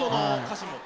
歌詞も。